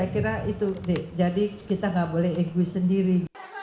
kita nggak boleh egois sendiri